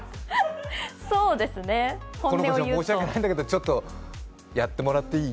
このちゃん、申し訳ないんだけどちょっとやってもらっていい？